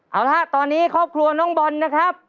เอาละตอนนี้ครอบครัวน้องบอลนะครับ